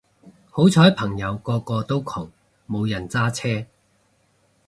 好彩朋友個個都窮冇人揸車